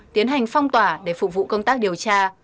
tiến hành phong tỏa để phục vụ công tác điều tra